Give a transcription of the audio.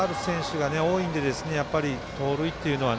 やはり足がある選手が多いんで、盗塁っていうのは